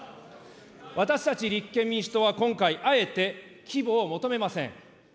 私たち、立憲民主党は今回、あえて規模を求めません。